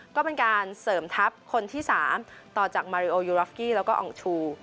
ก็เป็นการเสริมทัพคนที่๓ต่อจากมาริโอยูรอฟกี้แล้วก็อ่องชู